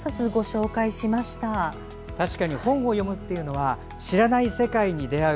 確かに本を読むというのは知らない世界に出会う